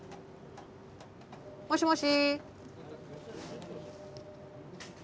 もしもし？